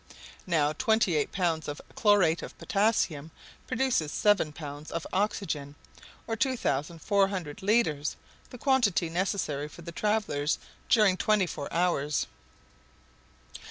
Now twenty eight pounds of chlorate of potassium produces seven pounds of oxygen, or 2,400 litres—the quantity necessary for the travelers during twenty four hours.